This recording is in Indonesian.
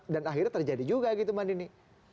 dan akhirnya terjadi juga gitu mbak nini